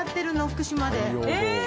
福島で。